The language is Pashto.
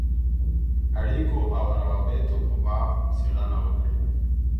اړېکو او روابطو په باب څېړنه وکړي.